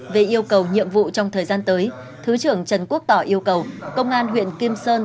về yêu cầu nhiệm vụ trong thời gian tới thứ trưởng trần quốc tỏ yêu cầu công an huyện kim sơn